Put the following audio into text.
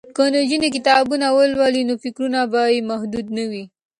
که نجونې کتابونه ولولي نو فکرونه به یې محدود نه وي.